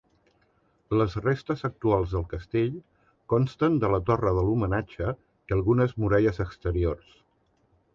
Les restes actuals del castell consten de la torre de l'homenatge i algunes muralles exteriors.